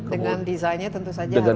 dengan designnya tentu saja harus ada